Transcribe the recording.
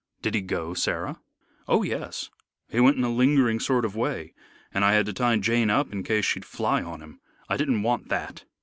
"Did he go, Sarah?" "Oh, yes, he went in a lingering sort of way, and I had to tie Jane up in case she'd fly on him. I didn't want that."